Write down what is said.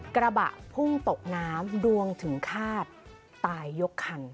กระบะพุ่งตกน้ำดวงถึงฆาตตายยกคัน